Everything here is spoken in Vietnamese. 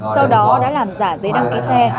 sau đó đã làm giả giấy đăng ký xe